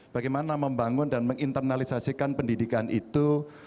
bagaimana membangun dan menginternalisasikan pendidikan itu